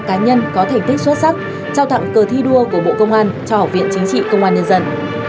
trung tâm nghiên cứu lý xuất sắc trao tạm cờ thi đua của bộ công an cho học viện chính trị công an nhân dân